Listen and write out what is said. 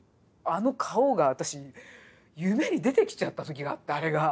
あの顔が私夢に出てきちゃった時があってあれが。